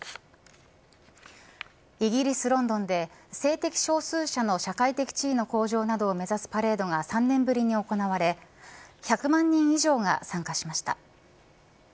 イギリス、ロンドンで性的少数者の社会的地位の向上などを目指すパレードが３年ぶりに行われ１００万人以上が参加しました。